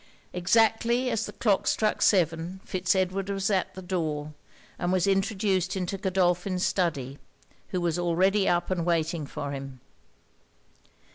Exactly as the clock struck seven, Fitz Edward was at the door; and was introduced into Godolphin's study, who was already up and waiting for him.